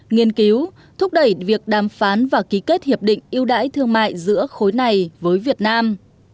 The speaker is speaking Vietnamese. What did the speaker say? nghiên cứu thúc đẩy việc đàm phán và ký kết hiệp định yêu đãi thương mại giữa khối này với việt nam